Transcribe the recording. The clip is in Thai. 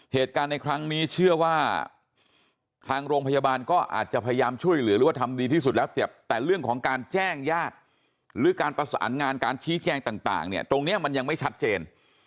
เหตุการณ์ในครั้งนี้เชื่อว่าทางโรงพยาบาลก็อาจจะพยายามช่วยเหลือหรือว่าทำดีที่สุดแล้วเจ็บแต่เรื่องของการแจ้งญาติหรือการประสานงานการชี้แจงต่างเนี่ยตรงนี้มันยังไม่ชัดเจน